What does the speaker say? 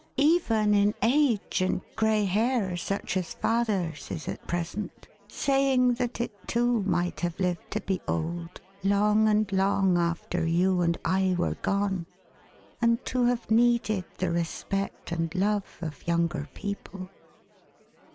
Even in age and grey hair, such as father's is at present : saying that it too might have lived to be old, long and long after you and I were gone, and to have needed the respect and love of younger people."